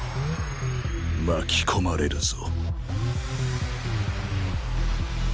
巻き込まれるぞ。